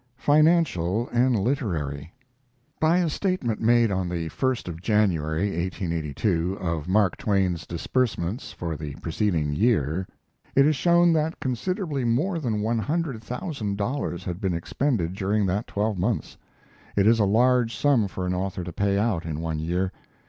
FINANCIAL AND LITERARY By a statement made on the 1st of January, 1882, of Mark Twain's disbursements for the preceding year, it is shown that considerably more than one hundred thousand dollars had been expended during that twelve months. It is a large sum for an author to pay out in one year.